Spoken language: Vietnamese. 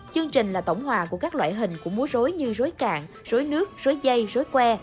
chương trình là tổng hòa của các loại hình của múa rối như rối cạn rối nước suối dây rối que